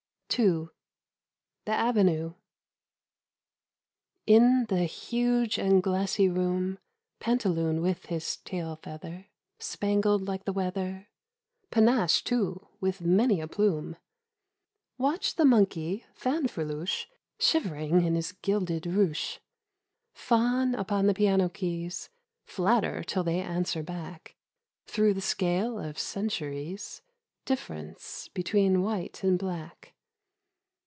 82 EDITH SIT WELL. II. THE AVENUE. IN the huge and glassy room Pantaloon with his tail feather Spangled like the weather Panached too with many a plume — Watched the monkey Fanfreluche Shivering in his gilded ruche Fawn upon the piano keys — Flatter till they answer back Through the scale of centuries Difference between white and black.